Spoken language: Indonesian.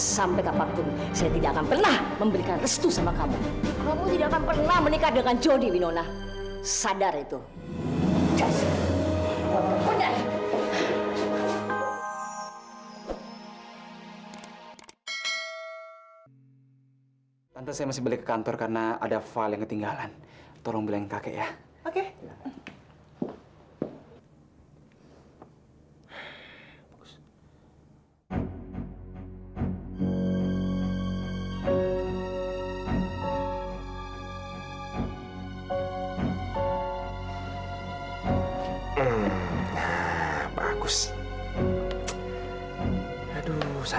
sampai jumpa di video selanjutnya